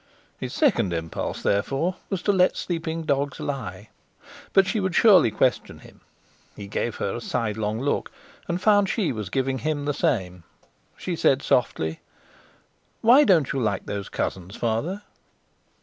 His second impulse therefore was to let sleeping dogs lie. But she would surely question him. He gave her a sidelong look, and found she was giving him the same. She said softly: "Why don't you like those cousins, Father?"